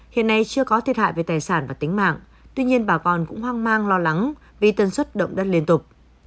hiện nay chưa có thiệt hại về tài sản và tính mạng tuy nhiên bà con cũng hoang mang lo lắng vì tần suất động đất liên tục